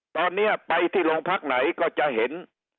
ตอนนี้ไปที่โรงพักไหนก็จะเห็น